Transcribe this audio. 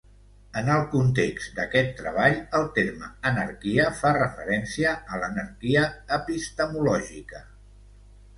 En el context d'aquest treball, el terme anarquia fa referència a l'anarquia epistemològica.